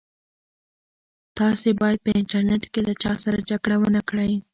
تاسي باید په انټرنيټ کې له چا سره جګړه ونه کړئ.